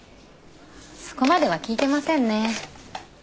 そこまでは聞いてませんね。